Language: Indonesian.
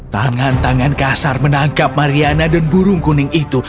tangan tangan kasar menangkap mariana dan burung kuning itu